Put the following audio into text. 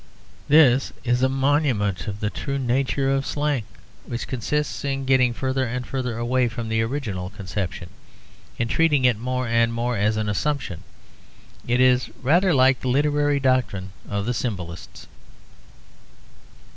This is a monument of the true nature of slang, which consists in getting further and further away from the original conception, in treating it more and more as an assumption. It is rather like the literary doctrine of the Symbolists.